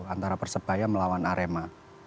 antara persebaya melawan arema